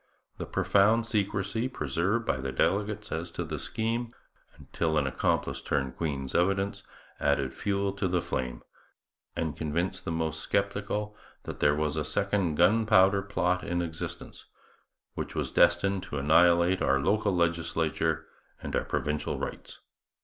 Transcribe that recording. The profound secrecy preserved by the delegates as to the scheme, until an accomplice turned Queen's evidence, added fuel to the flame, and convinced the most sceptical that there was a second Gunpowder Plot in existence, which was destined to annihilate our local legislature and our provincial rights.